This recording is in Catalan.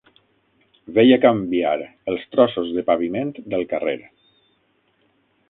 Veia canviar els trossos de paviment del carrer